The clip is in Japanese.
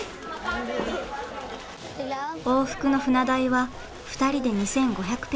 往復の船代は２人で２，５００ペソです。